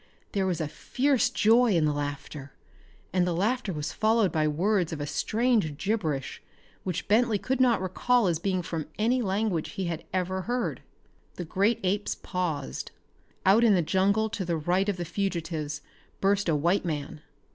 There was fierce joy in the laughter, and the laughter was followed by words of a strange gibberish which Bentley could not recall as being from any language he had ever heard. The great apes paused. Out of the jungle to the right of the fugitives burst a white man.